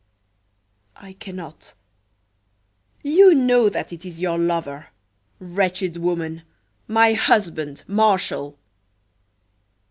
"I cannot!" "You know that it is your lover! wretched woman my husband, Martial!"